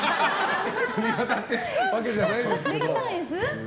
髪形ってわけじゃないですけど。